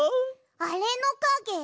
あれのかげ？